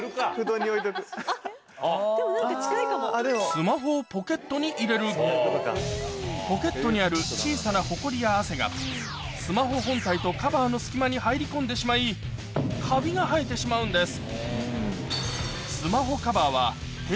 スマホをポケットにある小さなホコリや汗がスマホ本体とカバーの隙間に入り込んでしまいカビが生えてしまうんです